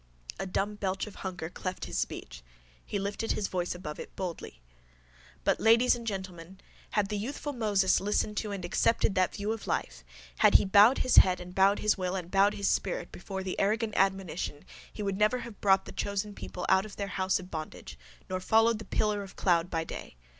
_ A dumb belch of hunger cleft his speech. He lifted his voice above it boldly: _—But, ladies and gentlemen, had the youthful Moses listened to and accepted that view of life, had he bowed his head and bowed his will and bowed his spirit before that arrogant admonition he would never have brought the chosen people out of their house of bondage, nor followed the pillar of the cloud by day.